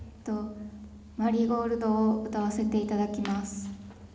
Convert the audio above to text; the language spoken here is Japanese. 「マリーゴールド」を歌わせていただきます。